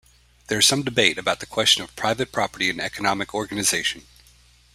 There is some debate about the question of private property and economic organization.